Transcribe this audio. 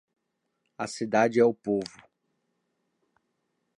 A cidade é o povo.